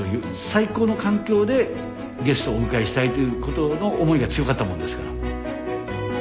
最高の環境でゲストをお迎えしたいということの思いが強かったものですから。